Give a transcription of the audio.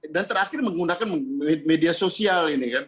dan terakhir menggunakan media sosial ini